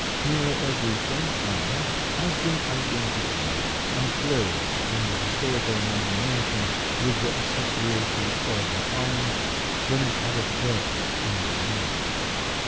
Nearly everything found has been identified and clothed in the historical imagination with the associations of the time when it had a purpose and a meaning.